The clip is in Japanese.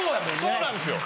そうなんですよ。